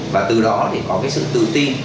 và từ đó thì có cái sự tự tin